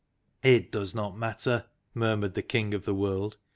" It does not matter," murmured the King of the World.